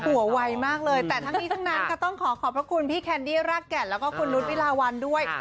หัวไวมากเลยแต่ทั้งนี้ทั้งนั้นค่ะต้องขอขอบพระคุณพี่แคนดี้รากแก่นแล้วก็คุณนุษย์วิลาวันด้วย